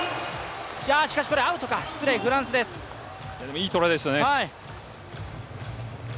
いいトライでしたね。